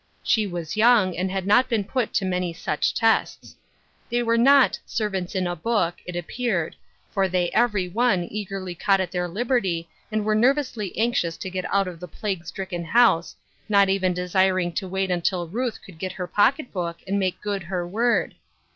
She was young and had not been put to many such tests. They were not " servants in a book," it appeared, for they every one, eagerly caught at their liberty and were nervously anxious to get out of the plague stricken house, not even desir ing to wait until Ruth could get her pocket book iand make good her word.